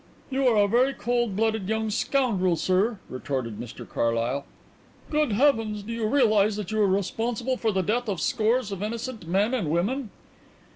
"You are a very cold blooded young scoundrel, sir!" retorted Mr Carlyle. "Good heavens! do you realize that you are responsible for the death of scores of innocent men and women?"